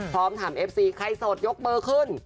พร้อมถามเอฟซีใครโสดยกเบอร์ขึ้น